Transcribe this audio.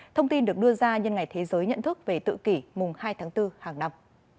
thông tin được đưa ra nhân ngày thế giới nhận thức về tự kỷ mùng hai tháng bốn hàng năm